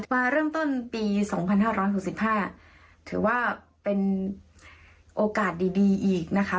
มาเริ่มต้นปี๒๕๖๕ถือว่าเป็นโอกาสดีอีกนะคะ